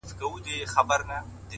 څه وکړمه لاس کي مي هيڅ څه نه وي _